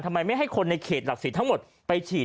ทำไมไม่ให้คนในเขตหลักศรีทั้งหมดไปฉีด